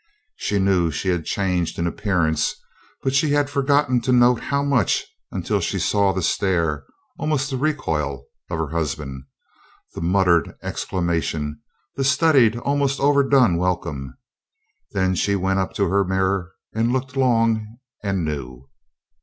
She knew she had changed in appearance, but she had forgotten to note how much until she saw the stare almost the recoil of her husband, the muttered exclamation, the studied, almost overdone welcome. Then she went up to her mirror and looked long, and knew.